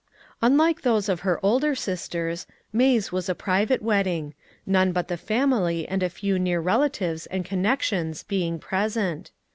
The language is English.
Unlike those of her older sisters, May's was a private wedding none but the family and a few near relatives and connections being present.